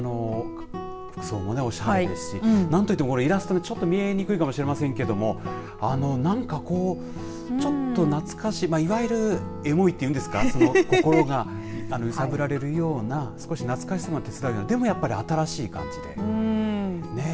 服装もおしゃれですし何といってもイラストちょっと見にくいかもしれませんが何かこうちょっと懐かしい、いわゆるエモいっていうんですか心が揺さぶられるような少し懐かしさを感じるようなあ、でもやっぱり新しい感じで。